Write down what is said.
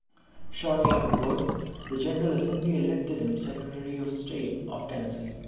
Shortly afterward, the General Assembly elected him Secretary of State of Tennessee.